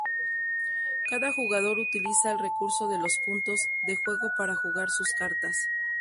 Cada jugador utiliza el recurso de los "Puntos" de Juego para jugar sus cartas.